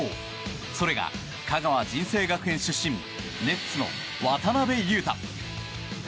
それが香川・尽誠学園出身ネッツの渡邊雄太。